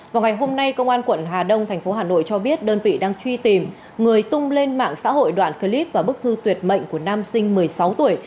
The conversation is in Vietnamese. vào ngày hôm nay công an quận hà đông tp hà nội cho biết đơn vị đang truy tìm người tung lên mạng xã hội đoạn clip và bức thư tuyệt mệnh của nam sinh một mươi sáu tuổi